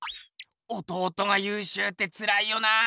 弟がゆうしゅうってつらいよな。